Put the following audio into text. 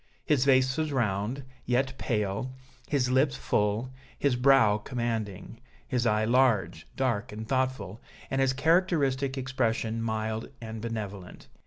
His face was round, yet pale, his lips full, his brow commanding, his eye large, dark and thoughtful, and His characteristic expression mild and benevolent.